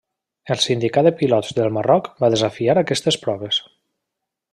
El sindicat de pilots del Marroc va desafiar aquestes proves.